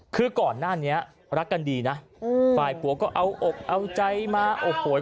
คือก่อนหน้านี้รักกันดีนะฝ่ายผัวก็เอาอกเอาใจมาโอ้โห